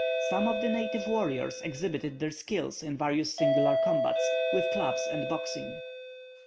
Some of the native warriors exhibited their skill in various singular combats, with clubs and boxing.